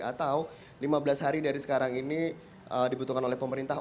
atau lima belas hari dari sekarang ini dibutuhkan oleh pemerintah